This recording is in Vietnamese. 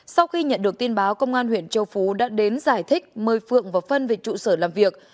sau khi nhận được tin báo công an huyện châu phú đã đến giải thích mời phượng vào phân về trụ sở làm việc